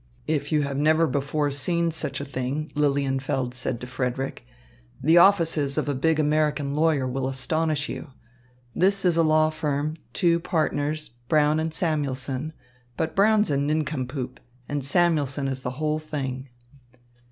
"If you have never before seen such a thing," Lilienfeld said to Frederick, "the offices of a big American lawyer will astonish you. This is a law firm, two partners, Brown and Samuelson; but Brown's a nincompoop and Samuelson is the whole thing."